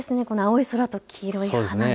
この青い空と黄色い花が。